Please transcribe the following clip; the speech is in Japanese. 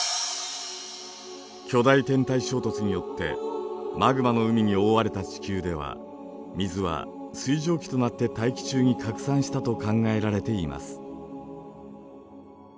巨大天体衝突によってマグマの海におおわれた地球では水は水蒸気となって大気中に拡散したと考えられています。